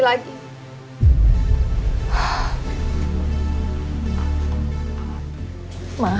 ma aku tau mama benci sama nisa